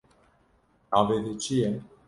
Navê te çi ye?